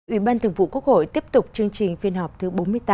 ủy ban thường vụ quốc hội tiếp tục chương trình phiên họp thứ bốn mươi tám